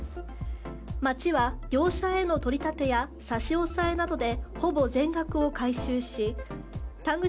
町は、業者への取り立てや差し押さえなどでほぼ全額を回収し田口